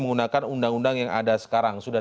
menggunakan undang undang yang ada sekarang sudah